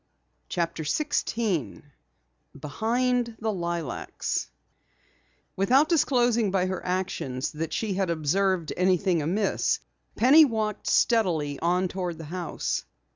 CHAPTER 16 BEHIND THE LILACS Without disclosing by her actions that she had observed anything amiss, Penny walked steadily on toward the house.